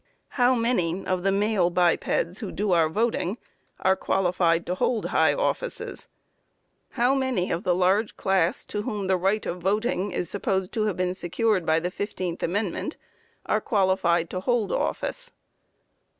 How many of the male bipeds who do our voting are qualified to hold high offices? How many of the large class to whom the right of voting is supposed to have been secured by the fifteenth amendment, are qualified to hold office?